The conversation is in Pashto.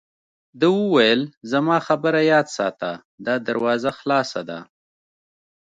ده وویل: زما خبره یاد ساته، دا دروازه خلاصه ده.